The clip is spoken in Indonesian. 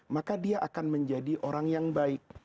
maka dia akan menjadi orang yang baik